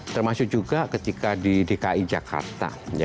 termasuk juga ketika di dki jakarta